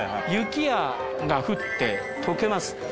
雪が降ってとけます。